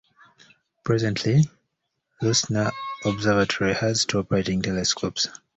Presently, Leuschner Observatory has two operating telescopes.